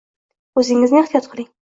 O'zingizni ehtiyot qiling!